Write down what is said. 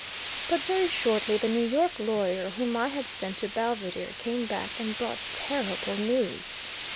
But very shortly the New York lawyer whom I had sent to Belvidere, came back and brought terrible news.